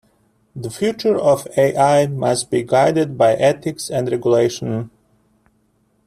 The future of A-I must be guided by Ethics and Regulation.